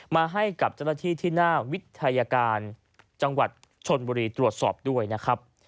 มาให้กับเจ้าหน้าที่ที่หน้าวิทยาการจังหวัดชนบุรีตรวจสอบด้วยนะครับ